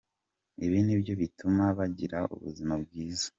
Ibi ni byo bituma bagira ubuzima bwiza.